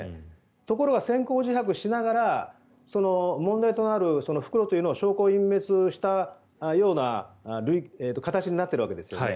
ところが先行自白しながら問題となる袋というのを証拠隠滅したような形になっているわけですね。